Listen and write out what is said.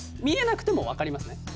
見えなくても分かりますね？